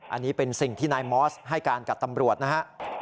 อันนี้เป็นสิ่งที่นายมอสให้การกับตำรวจนะฮะ